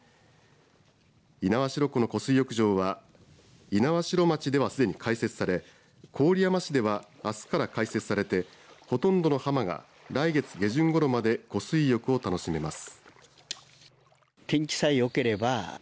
猪苗代湖の湖水浴場は猪苗代町ではすでに開設され郡山市では、あすから開設されてほとんどの浜が来月下旬ごろまで湖水浴を楽しめます。